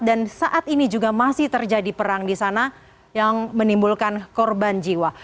dan saat ini juga masih terjadi perang di sana yang menimbulkan korban jiwa